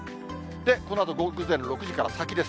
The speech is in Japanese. このあと、午前６時から先です。